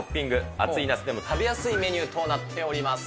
暑い夏でも食べやすいメニューとなっております。